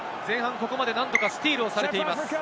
ここまでなんとかスティールされています。